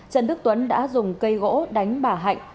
trần đức tuấn đã dùng cây gỗ đánh bà hạnh